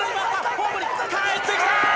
ホームにかえってきた！